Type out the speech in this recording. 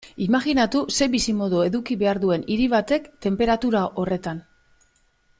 Imajinatu zer bizimodu eduki behar duen hiri batek tenperatura horretan.